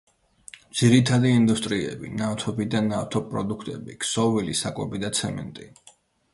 ძირითადი ინდუსტრიები: ნავთობი და ნავთობპროდუქტები, ქსოვილი, საკვები და ცემენტი.